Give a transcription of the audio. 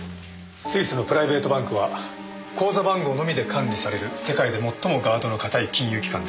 スイスのプライベートバンクは口座番号のみで管理される世界で最もガードの堅い金融機関です。